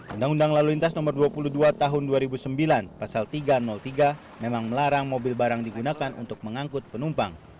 undang undang lalu lintas nomor dua puluh dua tahun dua ribu sembilan pasal tiga ratus tiga memang melarang mobil barang digunakan untuk mengangkut penumpang